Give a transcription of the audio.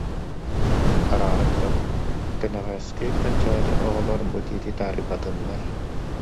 Бараары туран: «Кэнэҕэски кэнчээри оҕолор бу тиити таарыйбатыннар